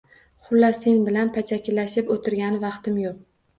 Xullas, sen bilan pachakilashib oʻtirgani vaqtim yoʻq.